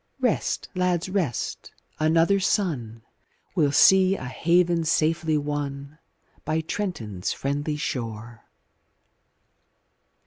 Rest, lads, rest! another sun Will see a haven safely won By Trenton's friendly shore.